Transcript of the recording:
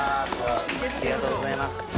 ありがとうございます。